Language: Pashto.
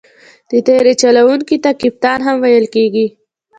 د طیارې چلوونکي ته کپتان هم ویل کېږي.